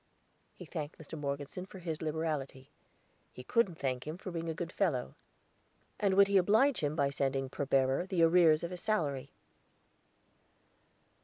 He thanked Mr. Morgeson for his liberality; he couldn't thank him for being a good fellow. "And would he oblige him by sending per bearer the arrears of salary?"